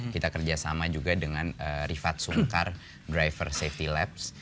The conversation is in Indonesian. kita kerjasama juga dengan rifat sungkar driver safety labs